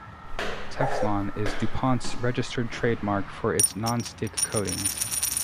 Teflon is DuPont's registered trademark for its non-stick coatings.